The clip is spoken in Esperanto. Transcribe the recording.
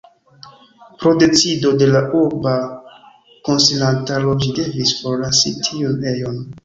Pro decido de la urba konsilantaro ĝi devis forlasi tiun ejon.